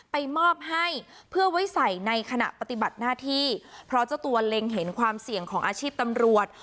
มอบให้เพื่อไว้ใส่ในขณะปฏิบัติหน้าที่เพราะเจ้าตัวเล็งเห็นความเสี่ยงของอาชีพตำรวจ